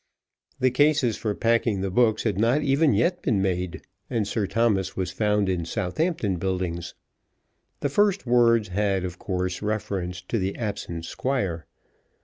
The cases for packing the books had not even yet been made, and Sir Thomas was found in Southampton Buildings. The first words had, of course, reference to the absent Squire.